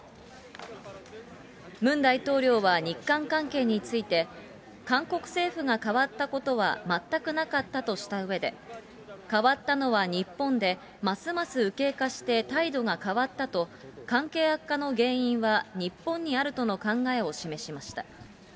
ムン大統領は日韓関係について、韓国政府が変わったことは全くなかったとしたうえで、変わったのは日本で、ますます右傾化して態度が変わったと、関係悪化の原因は日本にあるとの考えを示しました。